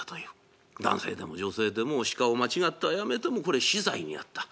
男性でも女性でも鹿を間違ってあやめてもこれ死罪になった。